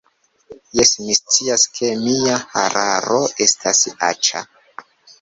Jes, mi scias ke mia hararo estas aĉa